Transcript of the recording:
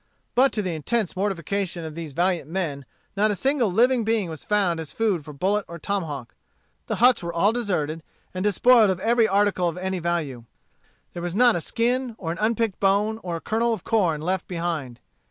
But to the intense mortification of these valiant men, not a single living being was to be found as food for bullet or tomahawk. The huts were all deserted, and despoiled of every article of any value. There was not a skin, or an unpicked bone, or a kernel of corn left behind.